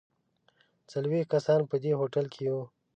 څلوېښت کسان په دې هوټل کې یو.